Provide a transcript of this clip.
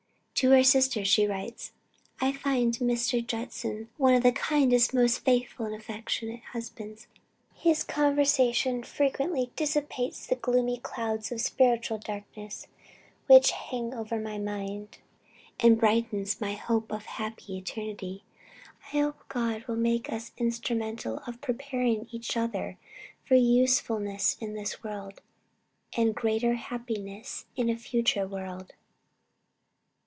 To her sister she writes, "I find Mr. Judson one of the kindest, most faithful and affectionate of husbands. His conversation frequently dissipates the gloomy clouds of spiritual darkness which hang over my mind and brightens my hope of a happy eternity. I hope God will make us instrumental of preparing each other for usefulness in this world, and greater happiness in a future world."